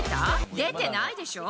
出てないでしょ？